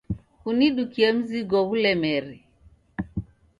Kunidukie mzigo ghulemere.